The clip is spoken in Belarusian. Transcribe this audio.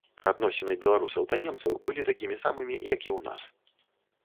Адносіны беларусаў да немцаў былі такімі самымі, як і ў нас.